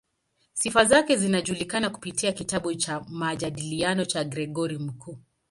Sifa zake zinajulikana kupitia kitabu cha "Majadiliano" cha Gregori Mkuu.